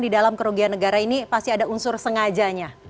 di dalam kerugian negara ini pasti ada unsur sengajanya